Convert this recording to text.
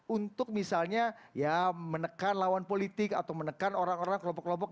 untuk misalnya ya menekan lawan politik atau menekan orang orang kelompok kelompok